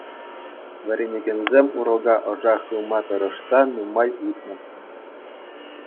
Вӗренекенсем урока ӑша хывма тӑрӑшса нумай ыйтнӑ.